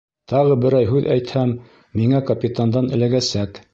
Тағы берәй һүҙ әйтһәм, миңә капитандан эләгәсәк.